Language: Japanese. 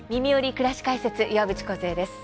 くらし解説」岩渕梢です。